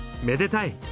めでたい！